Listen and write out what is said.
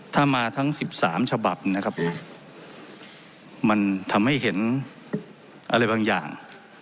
ถ้ามาทั้ง๑๓ฉบับนะครับมันทำให้เห็นอะไรบางอย่าง